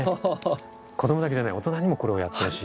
子供だけじゃない大人にもこれをやってほしい。